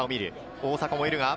大迫もいるが。